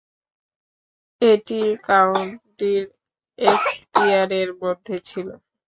এটি কাউন্টির এখতিয়ারের মধ্যে ছিল।